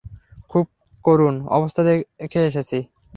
খুব করুণ অবস্থা দেখে এসেছি।